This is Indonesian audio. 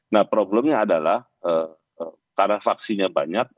nah problemnya adalah karena vaksinnya banyak